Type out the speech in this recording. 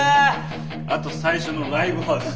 あと最初のライブハウス。